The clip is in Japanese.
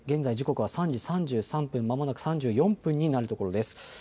現在、時刻は３時３３分、まもなく３４分になるところです。